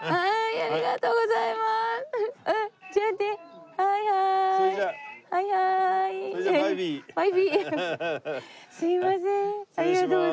ありがとうございます。